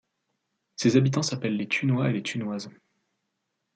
Ses habitants s’appellent les Thunois et les Thunoises.